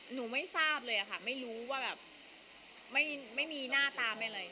ไม่ทราบเลยค่ะไม่รู้ว่าแบบไม่มีหน้าตาไม่อะไร